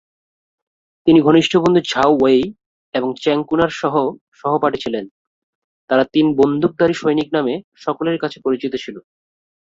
তিনি ঘনিষ্ঠ বন্ধু ঝাও ওয়েই এবং চেং কুনার সহ সহপাঠী ছিলেন; তারা "তিন বন্দুকধারী সৈনিক" নামে সকলের কাছে পরিচিত ছিল।